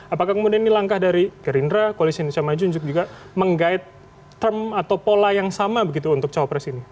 apakah kemudian ini langkah dari gerindra koalisi indonesia maju juga menggait term atau pola yang sama begitu untuk cawapres ini